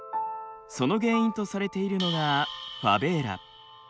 その原因とされているのがファベーラ。